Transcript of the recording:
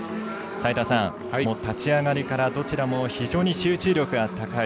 齋田さん、立ち上がりからどちらも非常に集中力が高い。